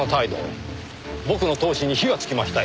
僕の闘志に火がつきましたよ。